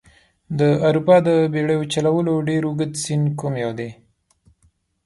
د اروپا د بیړیو چلولو ډېر اوږد سیند کوم یو دي؟